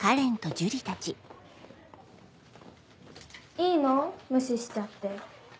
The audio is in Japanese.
いいの？無視しちゃって。